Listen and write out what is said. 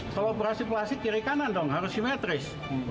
kalau operasi plastik kiri kanan dong harus simetris